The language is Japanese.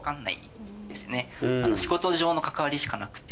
仕事上の関わりしかなくて。